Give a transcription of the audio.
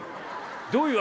どういう訳？」。